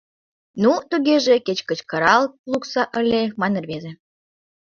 — Ну, тугеже, кеч кычкырал лукса ыле! — мане рвезе.